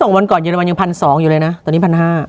มัน๒วันก่อนอยู่เลยมันยัง๑๒๐๐อยู่เลยนะตอนนี้๑๕๐๐